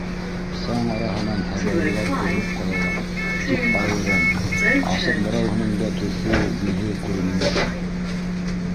Саң араһынан һыбайлылар күренеп ҡалалар, тик айырым-асыҡ берәүһенең дә төҫө, йөҙө күренмәй ине.